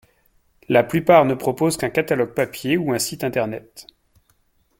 La plupart ne proposent qu’un catalogue papier ou un site internet.